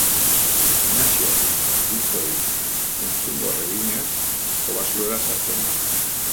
Inaxio, hitzoi entzungor eginez, kobazulora sartzen da.